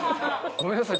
ごめんなさい。